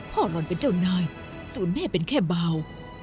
พ่อหลอนเป็นเจ้านายสูญแม่เป็นแค่เบา